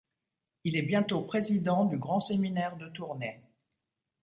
Il est bientôt président du Grand-Séminaire de Tournai.